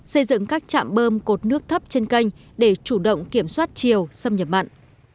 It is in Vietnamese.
xây dựng các chạm bơm cột nước thấp trên canh để chủ động kiểm soát chiều sâm nhập mặn